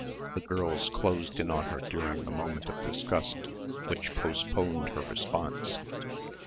The girls closed in on her during the moment of disgust which postponed her response.